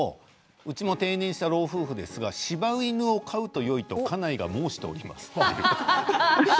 うちも定年した老夫婦ですがしば犬を飼うとよいと家内が申しておりますと。